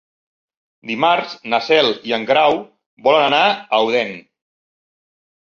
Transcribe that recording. Dimarts na Cel i en Grau volen anar a Odèn.